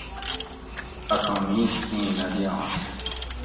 آتھا میش ایں نہ دئینش